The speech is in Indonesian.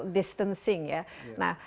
distancing ya nah